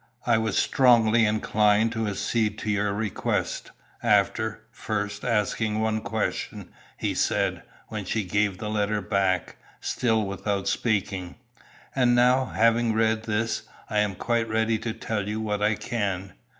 "I was strongly inclined to accede to your request, after, first, asking one question," he said, when she gave the letter back, still without speaking. "And now, having read this, I am quite ready to tell you what I can."